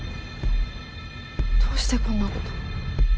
どうしてこんな事を？